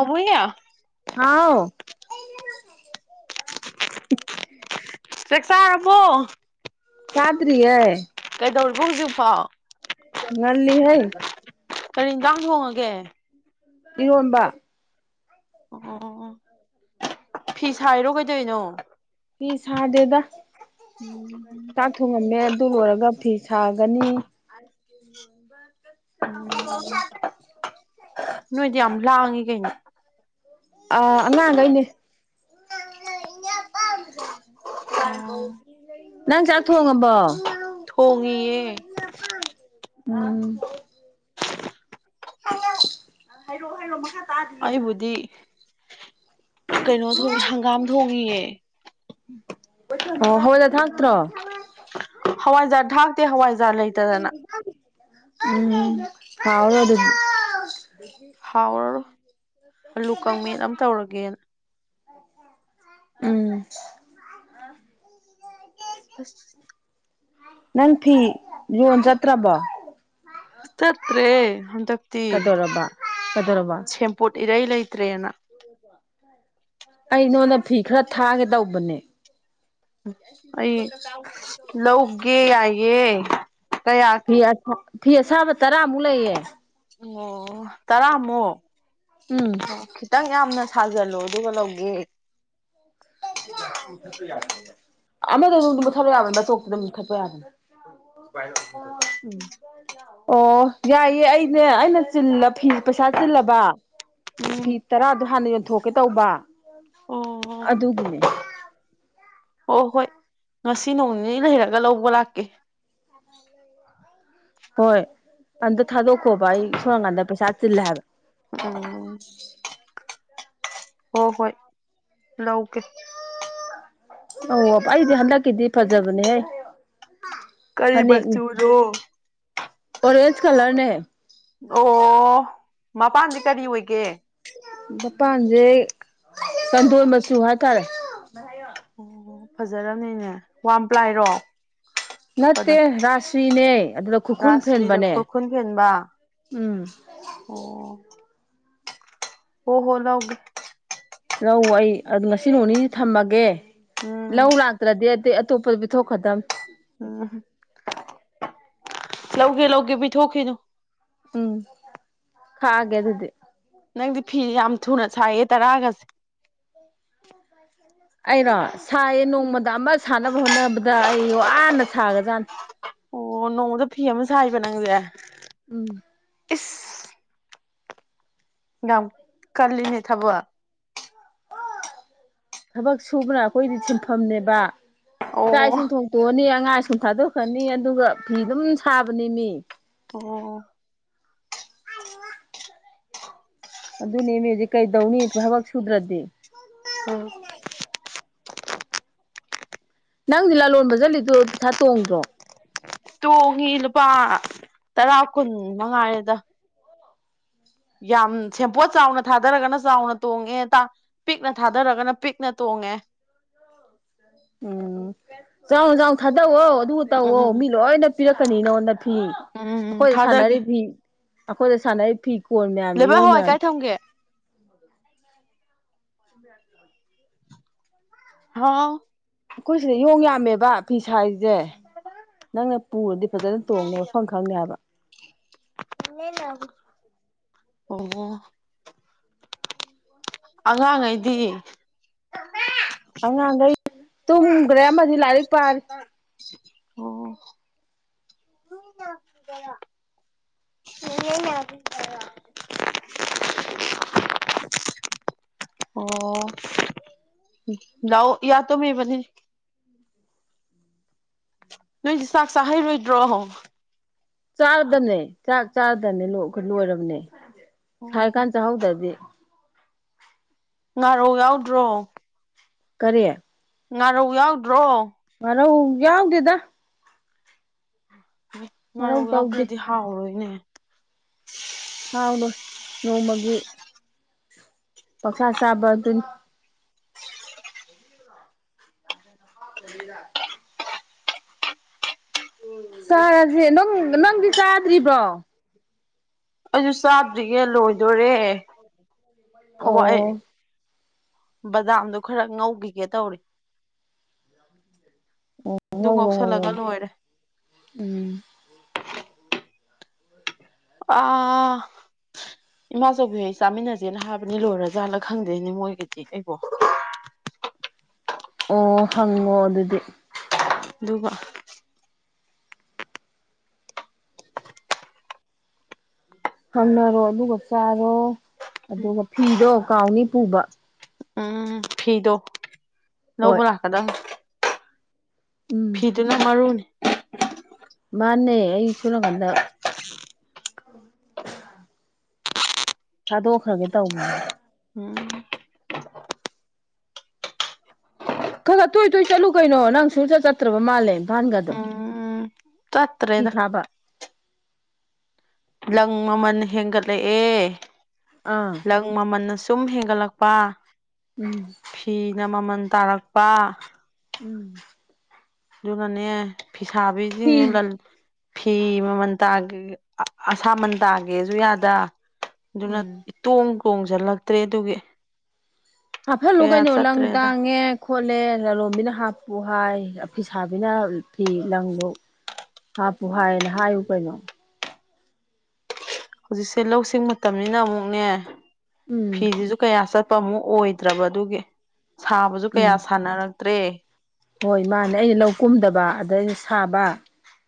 ꯑꯃꯨꯏ꯫ ꯍꯥꯎ꯫ ꯆꯥꯛ ꯆꯥꯔꯕꯣ꯫ ꯆꯥꯗ꯭ꯔꯤꯌꯦ꯫ ꯀꯩꯗꯧꯔꯤꯕꫭ ꯍꯨꯖꯤꯛꯐꯥꯎ꯫ ꯉꯜꯂꯤ ꯍꯩ꯫ ꯀꯔꯤ ꯏꯟꯖꯥꯡ ꯊꯣꯡꯉꯒꯦ꯫ ꯏꯔꯣꯟꯕ꯫ ꯑꯣ ꯑꯣ ꯐꯤ ꯁꯥꯏꯔꯣ ꯀꯩꯗꯣꯏꯅꯣ꯫ ꯐꯤ ꯁꯥꯗꯦꯗ ꯆꯥꯛ ꯊꯣꯡꯉꯝꯃꯦ ꯑꯗꯨ ꯂꯣꯏꯔꯒ ꯐꯤ ꯁꯥꯒꯅꯤ꯫ ꯎꯝ꯫ ꯅꯣꯏꯗꯤ ꯌꯥꯝ ꯂꯥꯡꯉꯤ ꯀꯩꯅꯣ꯫ ꯑꯥ ꯑꯉꯥꯡꯒꯩꯅꯦ꯫ ꯑꯣ [unintelligible] ꯅꯪ ꯆꯥꯛ ꯊꯣꯡꯉꯕꯣ꯫ ꯊꯣꯡꯉꯤꯌꯦ [unintelligible] [unintelligible] ꯑꯩꯕꯨꯗꯤ ꯀꯩꯅꯣ ꯊꯣꯡꯉꯦ ꯍꯪꯒꯥꯝ ꯊꯣꯡꯉꯤꯌꯦ꯫ ꯑꯣ ꯍꯋꯥꯏꯖꯔ ꯊꯥꯛꯇ꯭ꯔꯣ꯫ ꯍꯋꯥꯏꯖꯔ ꯊꯥꯛꯇꯦ ꯍꯋꯥꯏꯖꯔ ꯂꯩ꯫ ꯎꯝ ꯍꯥꯎꯔꫭ ꯑꯗꯨꯗꯤ꯫ ꯍꯥꯎꯔꯔꯣꯏ ꯑꯂꯨ ꯀꯪ ꯃ‌ꯦꯠ ꯑꯝ ꯇꯧꯔꯒꯦꯅ꯫ ꯎꯝ꯫ ꯑꯁ꯫ ꯅꯪ ꯐꯤ ꯌꯣꯟ ꯆꯠꯇ꯭ꯔꯕꯣ꯫ ꯆꯠꯇ꯭ꯔꯦ ꯍꯟꯗꯛꯇꯤ ꯀꯩꯗꯧꯔꯕ ꯀꯩꯗꯧꯔꯕ ꯁꯦꯝꯄꯣꯠ ꯏꯔꯩ ꯂꯩꯇ꯭ꯔꯦꯅ꯫ [inaudible] ꯑꯩ ꯅꯉꯣꯟꯗ ꯐꯤ ꯈꯔ ꯊꯥꯒꯦ ꯇꯧꯕꯅꯦ꯫ ꯑꯩ ꯂꯧꯒꯦ ꯌꯥꯏꯌꯦ ꯀꯌꯥ ꯐꯤ ꯐꯤ ꯑꯁꯥꯕ ꯇꯔꯥꯃꯨꯛ ꯂꯩꯌꯦ ꯑꯣ ꯇꯔꯥꯃꯨꯛ ꯎꯝ ꯑꯣ ꯈꯤꯇꯪ ꯌꯥꯝꯅ ꯁꯥꯖꯜꯂꯣ ꯑꯗꯨꯒ ꯂꯧꯒꯦ ꯑꯃꯗꯣ ꯗꯨꯗꯨꯨꯝꯇꯥ ꯃꯨꯊꯠꯂꯣ ꯌꯥꯕꯅꯦ ꯃꯇꯣꯛꯇꯨꯗꯥ ꯃꯨꯊꯠꯄ ꯌꯥꯕꯅꯦ [unintelligible] ꯑꯣ ꯌꯥꯏꯌꯦ ꯑꯩꯅꯦ ꯑꯩꯅ ꯆꯤꯜꯂ ꯐꯤ ꯄꯩꯁꯥ ꯆꯤꯜꯂꯕ ꯐꯤ ꯎꯝ ꯇꯔꯥꯗꯣ ꯍꯥꯟꯅ ꯌꯣꯟꯊꯣꯛꯀꯦ ꯇꯧꯕ ꯑꯣ ꯑꯗꯨꯒꯤꯅꯤ꯫ ꯑꯣ ꯍꯣꯏ ꯉꯁꯤ ꯅꯣꯡ ꯅꯤꯅꯤ ꯂꯩꯔꯒ ꯂꯧꯕ ꯂꯥꯛꯀꯦ꯫ ꯍꯣꯏ ꯑꯝꯇ ꯊꯥꯗꯣꯛꯈꯣꯕ ꯑꯩ ꯁꯣꯝꯅꯥꯀꯥꯟꯗ ꯄꯩꯁꯥ ꯆꯤꯜꯂꯦ ꯍꯥꯏꯕ꯫ ꯎꯝ꯫ ꯍꯣ ꯍꯣꯏ ꯂꯧꯒꯦ꯫ ꯑꯧ ꯑꯩꯗꯤ ꯍꯟꯗꯛꯀꯤꯗꯤ ꯐꯖꯕꯅꯦꯍ‌ꯦ ꯀꯔꯤ ꯐꯅꯦꯛꯅꯤ꯫ ꯃꯆꯨꯅꯣ ꯑꯣꯔꯦꯟꯖ ꯀꯂꯔꯅꯦ꯫ ꯑꯣ ꯃꯄꯥꯟꯗꯤ ꯀꯔꯤ ꯑꯣꯏꯒꯦ꯫ ꯃꯄꯥꯟꯖꯦ ꯆꯟꯗꯣꯟ ꯃꯆꯨ ꯍꯥꯏꯇꯥꯔꯦ [unintelligible] ꯑꯣ ꯐꯖꯔꯝꯅꯤꯅꯦ ꯋꯥꯟ ꯄ꯭ꯂꯥꯏꯔꯣ ꯅꯠꯇꯦ ꯑꯗ ꯔꯥꯁꯔꯤꯅꯦ ꯑꯗꯨꯗ ꯈꯨꯔꯈꯨꯟ ꯔꯥꯁꯇ꯭ꯔꯤꯗ ꯐꯦꯟꯕꯅꯦ ꯈꯨꯔꯈꯨꯜ ꯐꯦꯟꯕ ꯎꯝ ꯑꯣ ꯑꯣ ꯍꯣ ꯂꯧꯒꯦ ꯂꯧ ꯑꯩ ꯑꯗꯨ ꯉꯁꯤ ꯅꯣꯡꯅꯤꯁꯤ ꯊꯝꯃꯒꯦ ꯎꯝ ꯂꯧ ꯂꯥꯛꯇ꯭ꯔꯗꯤ ꯑ ꯇꯨꯞꯄꯗ ꯊ ꯊꯣꯛ ꯈꯥꯗꯝ ꯎꯝ ꯂꯧꯒꯦ ꯂꯧꯒꯦ ꯄꯤꯊꯣꯛꯈꯤꯅꯨ ꯎꯝ ꯍꯥꯏꯦ ꯑꯗꯨꯗꯤ ꯅꯪꯗꯤ ꯐꯤꯦ ꯌꯥꯝ ꯊꯨꯅ ꯁꯥꯏꯌꯦ ꯇꯔꯥꯒꯁꯦ ꯑꯩꯔꯣ ꯁꯥꯏꯌꯦ ꯅꯣꯡꯃꯗ ꯑꯃ ꯁꯥꯅꯕ ꯍꯣꯠꯅꯕꯗ ꯑꯩ ꯋꯥꯅ ꯁꯥꯒꯔꯖꯥꯠꯅꯦ ꯑꯣ ꯅꯣꯡꯃꯗ ꯐꯤ ꯑꯃ ꯁꯥꯏꯕ ꯅꯪꯁꯦ ꯎꯝ ꯉꯝ ꯀꯜꯂꯤꯅꯤ ꯊꯕ ꯊꯕꯛ ꯁꯨꯕꯅ ꯑꯩꯈꯣꯏꯗꯤ ꯁꯤꯟꯐꯝꯅꯦꯕ ꯆꯥꯛ ꯑꯣ ꯏꯁꯤꯡ ꯊꯣꯡ ꯇꯣꯛꯑꯅꯤ ꯑꯉꯥꯡ ꯁ꯭ꯨꯜ ꯊꯥꯗꯣꯛꯈ꯭ꯔꯅꯤ ꯑꯗꯨꯒ ꯐꯤ ꯑꯗꯨꯝ ꯁꯥꯕꯅꯤ ꯃꯤ ꯑꯣ ꯑꯗꯨꯅꯦꯃꯤ ꯍꯧꯖꯤꯦ ꯀꯩꯗꯧꯅꯤ ꯍꯥꯏꯕꯛ ꯁꯨꯗ꯭ꯔꯗꯤ ꯎꯝ ꯅꯪꯗꯤ ꯂꯂꯣꯟꯕ ꯆꯠꯂꯤꯗꯨꯣ ꯄꯩꯊꯥ ꯇꯣꯡꯗ꯭ꯔꯣ ꯄꯣꯛꯒꯤ ꯂꯨꯄꯥ ꯇꯔꯥ ꯀꯨꯟ ꯃꯉꯥꯔꯦꯗ ꯌꯥꯝ ꯁꯦꯄꯣꯠ ꯆꯥꯎꯅ ꯊꯥꯗꯔꯒꯅ ꯆꯥꯎꯅ ꯇꯣꯡꯉꯦ ꯇ ꯄꯤꯛꯅ ꯊꯥꯗꯔꯒꯅ ꯄꯤꯛꯅ ꯇꯣꯡꯉꯦ ꯎꯝ ꯆꯥꯎꯎ ꯆꯥꯎꯎ ꯊꯥꯗꯑꯣ ꯑꯗꯨ ꯇꯧꯋꯣ ꯎꯝ ꯃꯤ ꯂꯣꯏꯅ ꯄꯤꯔꯛꯀꯅꯤ ꯅꯉꯣꯟꯗ ꯐꯤ ꯎꯝ ꯑꯩꯈꯣꯏꯗ ꯊꯥꯗꯒꯦ ꯁꯥꯟꯅꯔꯤꯕ ꯐꯤ ꯑꯩꯈꯣꯏꯗ ꯁꯥꯟꯅꯩ ꯐꯤꯀꯣꯜ ꯃꯌꯥꯝ ꯂꯩꯕꯥꯛ ꯌꯦꯉꯣꯡ ꯍꯋꯥꯏ ꯃꯌꯥꯝꯁꯦ ꯀꯥꯏ ꯊꯝꯒꯦ ꯍꯥꯎ ꯑꯩꯈꯣꯏ ꯁꯤꯗ ꯌꯣꯡ ꯌꯥꯝꯃꯦꯕ ꯐꯤꯁꯁꯦ ꯅꯪꯅ ꯄꯨꯔꯗꯤ ꯐꯖꯅ ꯇꯣꯡꯉꯦꯕ ꯃꯐꯝ ꯈꯪꯗꯦ ꯍꯥꯏꯕ [inaudible] ꯑꯉꯥꯡꯉꯩꯗꯤ ꯑꯉꯥꯡꯈꯩ ꯇꯨꯝꯈ꯭ꯔꯦ ꯑꯃꯗꯤ ꯂꯥꯏꯔꯤꯛ ꯄꯥꯔꯤ ꯎ ꯑꯣ ꯂꯗ ꯌ ꯀꯔ [inaudible] ꯑꯣ ꯌꯥꯎ ꯌꯥ ꯇꯣ ꯃꯤꯕꯅꯤ ꯅꯣꯏꯗꯤ ꯆꯥꯛ ꯆꯥꯍꯩꯔꯣꯏꯗ꯭ꯔꯣ ꯆꯥꯔꯗꯕꯅꯦ ꯆꯥꯛ ꯆꯥꯗꯕꯅꯦ ꯑꯩꯈꯣꯏ ꯂꯣꯏꯔꯕꯅꯦ ꯁꯔꯤꯀꯥꯟ ꯆꯥꯛꯍꯧꯗ꯭ꯔꯗꯤ ꯉꯥꯔꯣ ꯌꯥꯎꯗ꯭ꯔꯣ ꯀꯔꯦ ꯉꯥꯔꯧ ꯌꯥꯎꯗ꯭ꯔꯣ ꯃꯔꯣ ꯌꯥꯎꯗꯗ ꯎ ꯉꯥꯔꯧ ꯉꯧ ꯇꯧꯗꯦ ꯌꯥꯎꯈ꯭ꯔꯗꯤ ꯍꯥꯎꯔꯣꯏꯅꯦ ꯍꯥꯎꯅ ꯅꯣꯡꯃꯒꯤ ꯄꯛꯁꯥ ꯆꯥꯕ ꯑꯗꯨꯅꯤ ꯀꯕꯤꯗ ꯆꯥꯔꯁꯦ ꯅꯪ ꯅꯪꯗꯤ ꯆꯥꯗ꯭ꯔꯤꯕ꯭ꯔꯣ ꯑꯩꯁꯨ ꯆꯥꯗ꯭ꯔꯤꯒꯦ ꯂꯣꯏꯗꯣꯔꯦ ꯍꯋꯥꯏ ꯑꯣ ꯕꯗꯥꯝꯗꯣ ꯈꯔ ꯉꯧꯈꯤꯒꯦ ꯇꯧꯔꯤ ꯎꯝ ꯑꯗꯨ ꯉꯧꯁꯜꯂꯒ ꯂꯣꯏꯔꯦ ꯎꯝ ꯑꯥ ꯏꯃꯥꯆꯧꯕꯤ ꯑꯩ ꯆꯥꯃꯤꯟꯅꯁꯦꯅ ꯍꯥꯏꯕꯅꯤ ꯂꯣꯏꯔ ꯖꯥꯠꯂ ꯈꯪꯗꯣꯏꯅꯦ ꯃꯣꯏꯒꯤꯗꯤ ꯑꯩꯕꯣ ꯑꯣ ꯍꯪꯉꯣ ꯑꯗꯨꯗꯤ ꯑꯗꯨꯒꯕ ꯍꯪꯅꯔꯣ ꯑꯗꯨꯒ ꯆꯥꯔꯣ ꯑꯗꯨꯒ ꯎꯝ ꯐꯤꯗꯣ ꯀꯥꯎꯅꯤ ꯄꯨꯕ ꯎꯝ ꯐꯤꯗꯣ ꯍꯣꯏ ꯂꯧꯕ ꯂꯥꯛꯀꯗꯕ ꯎꯝ ꯁꯤꯗꯅ ꯃꯔꯨꯅꯤ ꯃꯥꯅꯦ ꯑꯩꯁꯨꯂ ꯀꯗ ꯊꯥꯗꯣꯛꯈ꯭ꯔꯒꯦ ꯇꯧꯕꯅꯦꯕ ꯎꯝ ꯈꯔ ꯈꯔ ꯇꯣꯏ ꯇꯣꯏ ꯆꯠꯂꯨ ꯀꯩꯅꯣ ꯅꯪ ꯁꯨꯡꯆꯠ ꯆꯠꯇ꯭ꯔꯕ ꯃꯥꯜꯂꯦ ꯏꯝꯐꯥꯜꯒꯗꯣ ꯐꯤ ꯇꯥꯇꯔꯦꯗ ꯊꯥꯕ ꯂꯪ ꯃꯃꯜ ꯍꯦꯟꯒꯠꯂꯛꯑꯦ ꯑꯥ ꯂꯪ ꯃꯃꯜꯟꯅ ꯁꯨꯝ ꯍꯦꯟꯒꯠꯂꯛꯄ ꯎꯝ ꯐꯤꯅ ꯃꯃꯜ ꯇꯥꯔꯛꯄ ꯎꯝ ꯑꯗꯨꯒꯅꯅꯦ ꯐꯤꯁꯥꯕꯤꯁꯤꯡ ꯐꯤ ꯐꯤ ꯃꯃꯜ ꯇꯥꯒꯦ ꯑꯁꯥꯃꯟ ꯇꯥꯒꯦꯁꯨ ꯌꯥꯗ ꯑꯗꯨꯅ ꯎꯝ ꯇꯣꯡ ꯇꯣꯡꯁꯤꯜꯂꯛꯇ꯭ꯔꯦ ꯑꯗꯨꯒꯤ ꯍꯥꯞꯐꯠꯂꯨ ꯀꯌꯥ ꯀꯩꯅꯣ ꯂꯪ ꯆꯠꯇ꯭ꯔꯦꯗ ꯇꯥꯡꯉꯦ ꯈꯣꯠꯂꯦ ꯂꯥꯂꯣꯟꯣꯝꯕꯤꯅ ꯍꯥꯞꯄꯨ ꯍꯥꯏ ꯐꯤꯁꯥꯕꯤꯅ ꯐꯤ ꯂꯪꯗ ꯍꯥꯞꯄꯨ ꯍꯥꯏꯌꯦꯅ ꯍꯥꯏꯌꯨ ꯀꯩꯅꯣ ꯍꯧꯖꯤꯛꯁꯦ ꯂꯧꯁꯤꯡ ꯃꯇꯝꯅꯤꯅ ꯑꯃꯨꯛꯅꯦ ꯎꯝ ꯐꯤꯁꯤꯁꯨ ꯀꯌꯥ ꯆꯠ ꯑꯄ ꯑꯃꯨꯛ ꯑꯣꯏꯗ꯭ꯔꯕ ꯑꯗꯨꯒꯤ ꯁꯥꯕꯁꯨ ꯎꯝ ꯀꯌꯥ ꯁꯥꯟꯅꯔꯛꯇ꯭ꯔꯦ ꯍꯣꯏ ꯃꯥꯅꯦ ꯑꯩꯅ ꯂꯧ ꯀꯨꯝꯗꯕ ꯑꯗꯩ ꯁꯥꯕ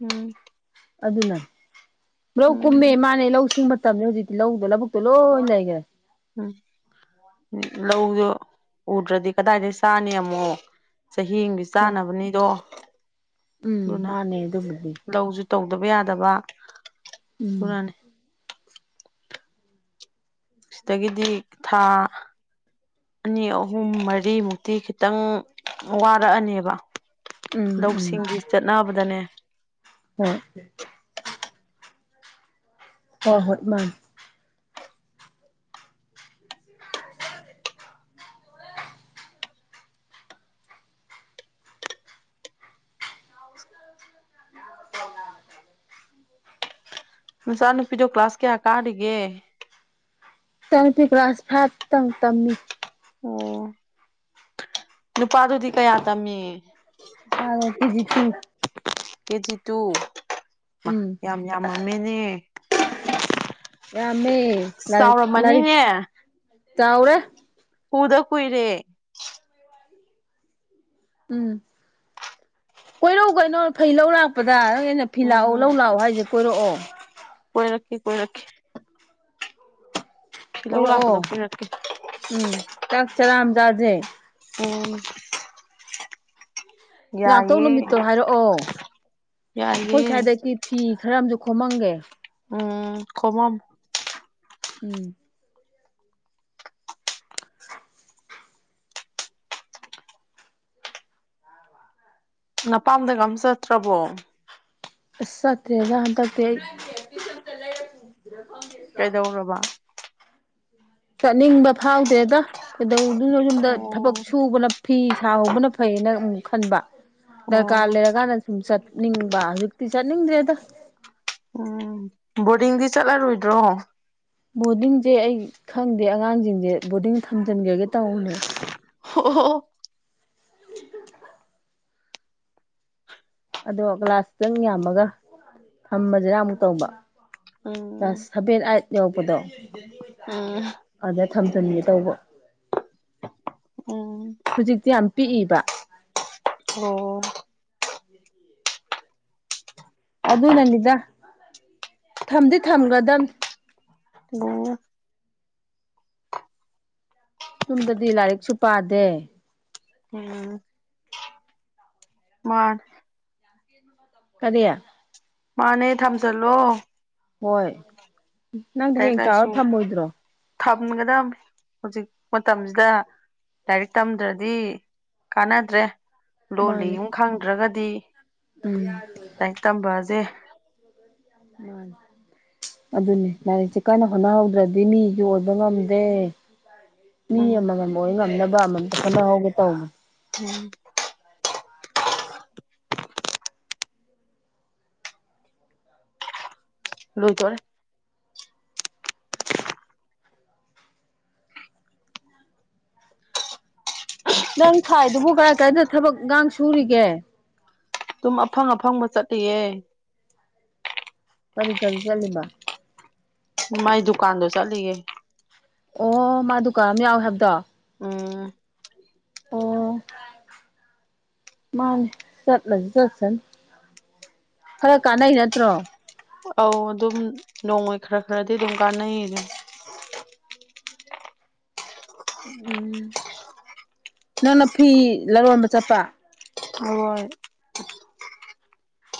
ꯎꯝ ꯑꯗꯨꯅ ꯂꯧ ꯀꯨꯝꯃꯦ ꯎꯝ ꯃꯥꯅꯦ ꯂꯧꯁꯤꯡ ꯇꯝꯅꯤ ꯍꯧꯖꯤꯛꯇꯤ ꯂꯧꯗꯣ ꯂꯧꯕꯨꯛꯇꯣ ꯂꯣꯏ ꯂꯩꯈ꯭ꯔꯦ ꯎꯝ ꯂꯧꯗꯨꯣ ꯎꯗ꯭ꯔꯗꯤ ꯀꯗꯥꯏꯗꯒꯤ ꯆꯥꯅꯤ ꯑꯃꯨꯛ ꯆꯍꯤꯒꯤ ꯍꯣꯏ ꯆꯥꯅꯕꯅꯤꯗꯣ ꯎꯝ ꯑꯗꯨꯅ ꯃꯥꯅꯦ ꯑꯗꯨꯕꯨꯗꯤ ꯂꯧꯁꯨ ꯇꯧꯗꯕ ꯌꯥꯗꯕ ꯎꯝ ꯑꯗꯨꯅꯅꯤ ꯁꯤꯗꯒꯤꯗꯤ ꯊꯥ ꯑꯅꯤ ꯑꯍꯨꯝ ꯃꯔꯤꯃꯨꯛꯇꯤ ꯈꯤꯇꯪ ꯋꯥꯔꯛꯑꯅꯦꯕ ꯎꯝ ꯂꯧꯁꯤꯡꯒꯤ ꯆꯠꯅꯕꯗꯅꯦ ꯍ ꯍ ꯍꯠ ꯃꯥ [inaudible] ꯅꯨꯡꯆꯥ ꯅꯨꯄꯤꯗꯣ ꯀ꯭ꯂꯥꯁ ꯀꯌꯥ ꯀꯥꯔꯤꯒꯦ ꯇꯪꯄꯤꯤ ꯀ꯭ꯂꯥꯁ ꯐꯠꯇꯪ ꯇꯝꯃꯤ ꯑꯣ ꯅꯨꯄꯥꯗꯨꯗꯤ ꯀꯌꯥ ꯇꯝꯃꯤ ꯄꯀꯤꯦꯖꯤꯠꯇꯨ ꯀꯦꯖꯤ ꯇꯨ ꯎꯝ ꯌꯥꯝ ꯌꯥꯝꯃꯦꯅꯦ ꯌꯥꯃꯦ ꯂꯔꯤꯛ ꯂꯔꯤꯛ ꯆꯥꯎꯔꯝꯃꯅꯤꯅꯦ ꯆꯥꯎꯥꯎꯔꯦ ꯀꯨꯗ ꯀꯨꯏꯔꯦ ꯎꯝ ꯀꯣꯏꯔꯧ ꯀꯩꯅꯣ ꯐꯩ ꯂꯧ ꯂꯥꯛꯄꯗ ꯍꯦꯟꯅ ꯐꯤ ꯂꯥꯛꯑꯣ ꯂꯧ ꯎꯝ ꯂꯥꯛꯑꯣ ꯍꯥꯏꯁꯦ ꯀꯣꯏꯔꯛꯑꯣ ꯀꯣꯏꯔꯛꯀꯦ ꯀꯣꯏꯔꯛꯀꯦ ꯐꯤꯜꯍꯧ ꯀꯣꯏꯔꯛꯑꯣ ꯂꯥꯛꯄꯗ ꯀꯣꯏꯔꯛꯀꯦ ꯎꯝ ꯆꯥꯛ ꯆꯔꯥ ꯑꯃ ꯆꯥꯖꯦ ꯑꯣ ꯂꯥꯛꯇꯧ ꯌꯥꯏꯌꯦ ꯅꯨꯃꯤꯠꯇꯣ ꯍꯥꯏꯔꯛꯑꯣ ꯑꯩꯈꯣꯏ ꯌꯥꯏꯌꯦ ꯁ꯭ꯋꯥꯏꯗꯒꯤ ꯐꯤ ꯈꯔ ꯑꯃꯁꯨ ꯈꯣꯝꯃꯝꯒꯦ ꯎꯝ ꯈꯣꯝꯃꯝꯃꯣ ꯎꯝ ꯅꯄꯥꯝꯗꯒ ꯑꯝ ꯆꯠꯇ꯭ꯔꯕꯣ ꯑꯁ ꯆꯠꯇ꯭ꯔꯦꯗ ꯍꯟꯗꯛꯇꯤ ꯑꯩ ꯀꯩꯗꯧꯣꯕ ꯆꯠꯅꯤꯡꯕ ꯐꯥꯎꯗꯦꯗ ꯀꯩꯗꯧꯗꯨꯅ ꯌꯨꯝꯗ ꯑꯣ ꯊꯕꯛ ꯁꯨꯕꯅ ꯐꯤ ꯁꯥꯍꯧꯕꯅ ꯐꯩꯌꯦꯅ ꯑꯃꯨ ꯈꯟꯕ ꯑꯣ ꯗꯔꯀꯥꯔ ꯂꯩꯔꯀꯥꯟꯗ ꯁꯨꯝ ꯆꯠꯅꯤꯡꯕ ꯍꯧꯖꯤꯛꯇꯤ ꯆꯠꯅꯤꯡꯗ꯭ꯔꯦꯗ ꯎꯝ ꯕꯣꯔꯗꯤꯡꯗꯤ ꯆꯠꯂꯔꯣꯏꯗ꯭ꯔꯣ ꯕꯣꯔꯗꯤꯡꯁꯦ ꯑꯩ ꯈꯪꯗꯦ ꯑꯉꯥꯡꯁꯤꯡꯁꯦ ꯕꯣꯔꯗꯤꯡ ꯊꯝꯖꯤꯟꯒ꯭ꯔꯒꯦ ꯇꯧꯕꯅꯦ ꯍ ꯍꯣ ꯑꯗꯣ ꯒ꯭ꯂꯥꯁ ꯈꯤꯇꯪ ꯌꯥꯝꯃꯒ ꯊꯝꯃꯁꯤꯔꯥ ꯑꯃꯨꯛ ꯇꯧꯕ ꯀ꯭ꯂꯥꯁ ꯎꯝ ꯁꯚꯦꯟ ꯑꯥꯏꯠ ꯌꯧꯕꯗꯣ ꯎꯝ ꯑꯗ ꯊꯝꯖꯟꯒꯦ ꯇꯧꯕ ꯎꯝ ꯍꯨꯖꯤꯛꯇꯤ ꯌꯥꯝ ꯄꯤꯛꯏꯕ ꯑꯣ ꯑꯗꯨꯅꯅꯤꯗ ꯊꯝꯗꯤ ꯊꯝꯒꯗꯝꯅꯦ ꯑꯣ ꯌꯨꯝꯗꯗꯤ ꯂꯥꯏꯔꯤꯛꯁꯨ ꯄꯥꯗꯦ ꯃꯥꯅꯦ ꯀꯔꯤ ꯃꯥꯅꯦ ꯊꯝꯖꯜꯂꯣ ꯍꯣꯏ ꯅꯪꯗꯤ ꯍꯌꯦꯡ ꯆꯥꯎꯔ ꯊꯝꯃꯣꯏꯗ꯭ꯔꯣ ꯊꯝꯒꯗꯃꯤ ꯍꯧꯖꯤꯛ ꯃꯇꯝꯁꯤꯗ ꯂꯥꯏꯔꯤꯛ ꯇꯝꯗ꯭ꯔꯗꯤ ꯀꯥꯟꯅꯗ꯭ꯔꯦ ꯂꯣꯜꯂꯤ ꯃꯥꯅꯦ ꯌꯨꯝ ꯈꯪꯗ꯭ꯔꯒꯗꯤ ꯎꯝ ꯂꯥꯏꯔꯤꯛ ꯇꯝꯕꯖꯦ ꯃꯅꯤ ꯑꯗꯨꯅꯦ ꯂꯥꯏꯔꯤꯛꯁꯦ ꯀꯟꯅ ꯍꯣꯠꯅꯍꯧꯗ꯭ꯔꯗꯤ ꯃꯤꯖꯨ ꯑꯣꯕ ꯉꯝꯗꯦ ꯃꯤ ꯎꯝ ꯑꯃꯃꯝ ꯑꯣꯏ ꯉꯝꯅꯕ ꯑꯃꯃꯝꯇ ꯍꯣꯠꯅꯍꯧꯒꯦ ꯇꯧꯕ ꯎꯝ [inaudible] ꯂꯣꯏ ꯇꯧꯔꯦ ꯅꯪ ꯐꯥꯏꯗꯨꯕꯨ ꯀꯥꯔꯏ ꯀꯥꯔꯏꯗ ꯊꯕꯛ ꯏꯒꯥꯡ ꯁꯨꯔꯤꯒꯦ ꯗꯨꯝ ꯑꯐꯪ ꯑꯐꯪꯕ ꯆꯠꯂꯤꯌꯦ ꯀꯔꯤ ꯀꯔꯤ ꯆꯠꯂꯤꯕ ꯃꯥꯏ ꯗꯨꯀꯥꯟꯗꯣ ꯆꯠꯂꯤꯌꯦ ꯑꯣ ꯃꯥ ꯗꯨꯀꯥꯟ ꯑꯃ ꯌꯥꯎꯋꯦ ꯍꯥꯏꯕꯗꯣ ꯎꯝ ꯑꯣ ꯃꯥꯅꯦ ꯆꯠꯂꯗꯤ ꯆꯠꯁꯅꯤ ꯈꯔ ꯀꯥꯟꯅꯩ ꯅꯠꯇ꯭ꯔꯣ ꯑꯧ ꯑꯗꯨꯝ ꯅꯣꯡꯃꯩ ꯈꯔ ꯈꯔꯗꯤ ꯑꯗꯨꯝ ꯀꯥꯟꯅꯩꯌꯦꯗꯨꯅꯤ ꯎꯝ ꯅꯪꯅ ꯐꯤ ꯂꯂꯣꯟꯕ ꯆꯠꯄ ꯍꯣꯏ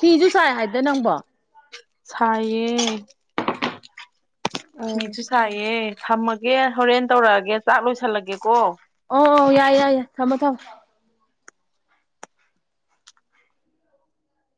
ꯐꯤꯁꯨ ꯁꯥꯏ ꯍꯥꯏꯗ ꯅꯪꯕꯣ ꯁꯥꯏꯌꯦ ꯑꯧ ꯃꯤꯁꯨ ꯁꯥꯏꯌꯦ ꯊꯝꯃꯒꯦ ꯍꯣꯔꯦꯟ ꯇꯧꯔꯛꯑꯒꯦ ꯆꯥꯛ ꯂꯣꯏꯁꯜꯂꯒꯦꯀꯣ ꯑꯣ ꯑꯣ ꯌꯥꯏ ꯌꯥꯏ ꯌꯥꯏ ꯊꯝꯃꯣ ꯊꯝꯃꯣ